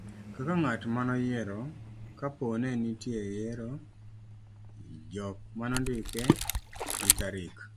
kaka ngat manoyiero ka po ni nenitie yiero, jok manondike gi tarik